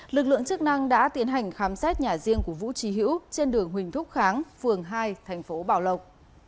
lực lượng chức năng đã tiến hành khám xét nhà riêng của vũ trí hữu trên đường huỳnh thúc kháng phường hai thành phố bảo lộc